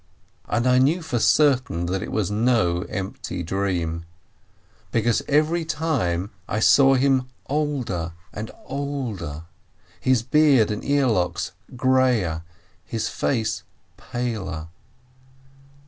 And I knew for certain that it was no empty dream, because every time I saw him older and older, his beard and earlocks greyer, his face paler.